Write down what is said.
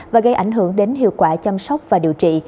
và gây ảnh hưởng đến hiệu quả chăm sóc và điều trị